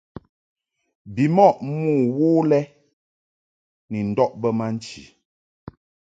Bimɔʼ mo wo lɛ ni ndɔʼ bə ma nchi.